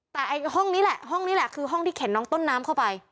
แต่ห้องนี้แหละห้องนี้แหละคือห้องที่เข็นน้องต้นน้ำเข้าไป